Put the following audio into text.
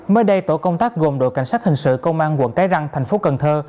mới đây tổ công tác gồm đội cảnh sát hình sự công an quận cái răng thành phố cần thơ